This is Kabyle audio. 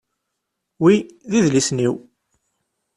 Wi d idlisen-iw.